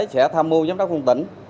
sẽ tham mưu giám đốc phòng tỉnh